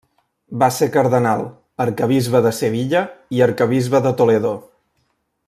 Va ser cardenal, arquebisbe de Sevilla i arquebisbe de Toledo.